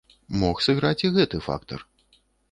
Мог сыграць і гэты фактар.